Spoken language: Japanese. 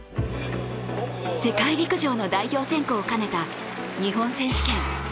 世界陸上の代表選考を兼ねた日本選手権。